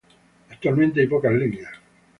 Actualmente hay pocas líneas.